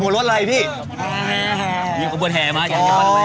นำขบวนรถมาจากสี่คนครับขบวนรถไรพี่อ๋อ